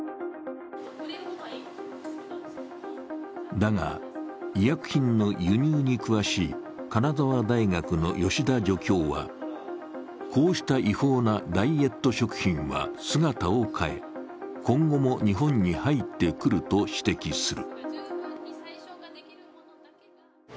だが、医薬品の輸入に詳しい金沢大学の吉田助教はこうした違法なダイエット食品は姿を変え、今後も日本に入ってくると指摘する。